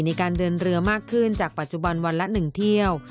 ในการเดินเรือมากขึ้นจากปัจจุบันวันละ๑เที่ยว